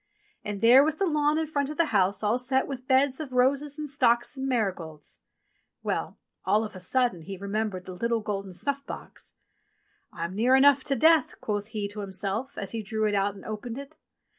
And there was the lawn in front of the house all set with beds of roses and stocks and marigolds ! Well ! all of a sudden he remembered the little golden snuff box. "I'm near enough to death," quoth he to himself, as he drew it out and opened it.